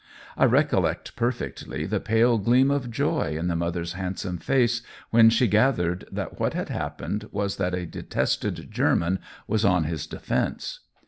I recollect perfectly the pale gleam of joy in the mother's handsome face when she gathered that what had happened was that a detested German was on his defence.